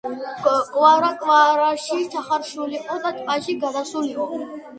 კვარა კვარში ჩახარშულიყო და ტბაში გადასულიყო